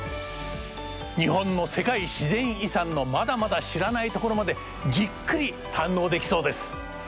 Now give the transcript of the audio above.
日本の世界自然遺産のまだまだ知らないところまでじっくり堪能できそうです！